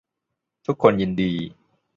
ทุกคนยินดี